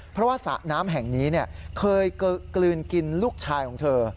เพราะว่าสระน้ำแห่งนี้เคยกลืนกินลูกชายของเธอ